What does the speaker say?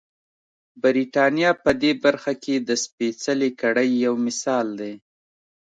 برېټانیا په دې برخه کې د سپېڅلې کړۍ یو مثال دی.